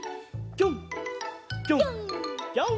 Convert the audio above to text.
ぴょんぴょんぴょんぴょん！